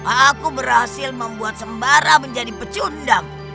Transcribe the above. aku berhasil membuat sembara menjadi pecundang